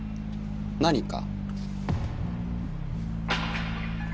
何か？